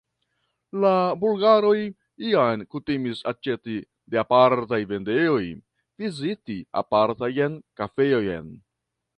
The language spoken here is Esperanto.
La bulgaroj jam kutimis aĉeti de apartaj vendejoj, viziti apartajn kafejojn.